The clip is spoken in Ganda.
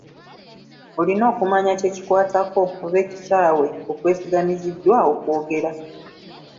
Olina okumanya kye kikwatako/ekisaawe okwesigamiziddwa okwogera.